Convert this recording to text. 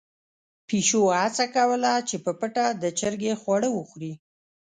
پيشو هڅه کوله چې په پټه د چرګې خواړه وخوري.